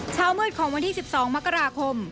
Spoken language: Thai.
เช้ามืดของวันที่๑๒มกราคม